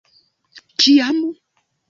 - Kiam?